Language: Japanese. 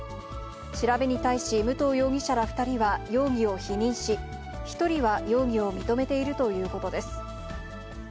調べに対し、武藤容疑者ら２人は容疑を否認し、１人は容疑を認めているということです。